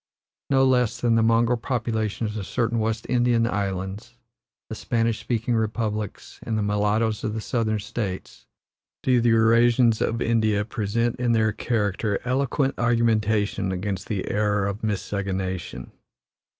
No less than the mongrel populations of certain West Indian islands, the Spanish speaking republics, and the mulattoes of the Southern States, do the Eurasians of India present in their character eloquent argumentation against the error of miscegenation.